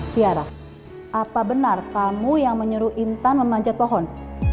tiara apa benar kamu yang menyuruh intan memanjat pohon